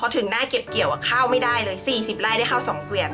ถึงหน้าเก็บเกี่ยวก็เข้าไม่ได้เลยสี่สิบไล่ได้เข้าสองเกลียด